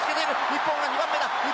日本が２番目だ！